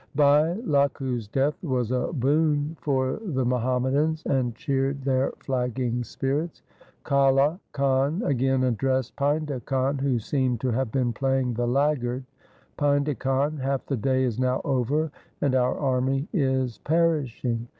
Bhai Lakhu's death was a boon for the Muham madans, and cheered their flagging spirits. Kale Khan again addressed Painda Khan, who seemed to have been playing the laggard :' Painda Khan, half the day is now over and our army is perishing.